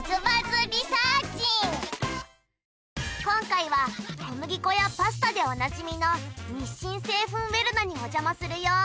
今回は小麦粉やパスタでおなじみの日清製粉ウェルナにおじゃまするよ